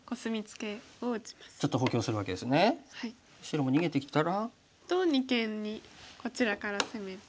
白も逃げてきたら。と二間にこちらから攻めて。